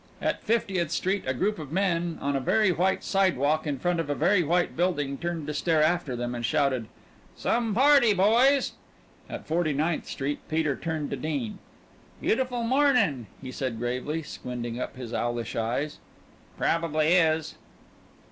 At Fiftieth Street a group of men on a very white sidewalk in front of a very white building turned to stare after them, and shouted: "Some party, boys!" At Forty ninth Street Peter turned to Dean. "Beautiful morning," he said gravely, squinting up his owlish eyes. "Probably is."